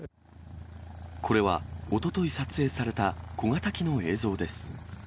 これはおととい撮影された小型機の映像です。